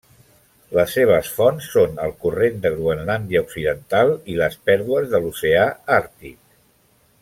Les seves fonts són el Corrent de Groenlàndia Occidental i les pèrdues de l'Oceà Àrtic.